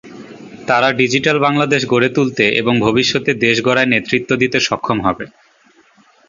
তারা ডিজিটাল বাংলাদেশ গড়ে তুলতে এবং ভবিষ্যতে দেশগড়ায় নেতৃত্ব দিতে সক্ষম হবে।